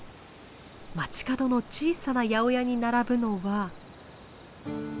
街角の小さな八百屋に並ぶのは。